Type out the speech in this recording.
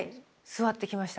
座ってきました。